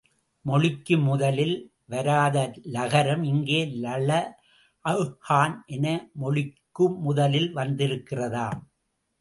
மொழிக்கு முதலில் வராத லகரம், இங்கே லள ஃகான் என மொழிக்கு முதலில் வந்திருக்கிறதாம்.